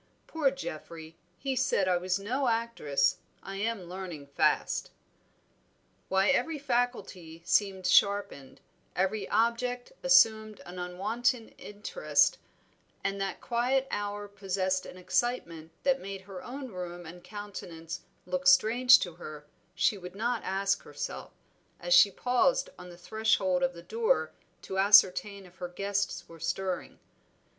Poor Geoffrey! he said I was no actress; I am learning fast." Why every faculty seemed sharpened, every object assumed an unwonted interest, and that quiet hour possessed an excitement that made her own room and countenance look strange to her, she would not ask herself, as she paused on the threshold of the door to ascertain if her guests were stirring.